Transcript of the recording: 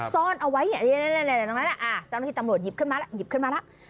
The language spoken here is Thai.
ซ่อนเอาไว้ตรงนั้นจังหลังที่ตำรวจหยิบขึ้นมาแล้ว